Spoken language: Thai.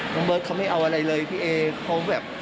น้องเบิร์ตเขาไม่เอาอะไรเลยพี่เอฟัง